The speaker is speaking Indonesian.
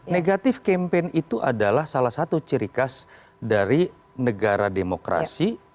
negatif campaign itu adalah salah satu ciri khas dari negara demokrasi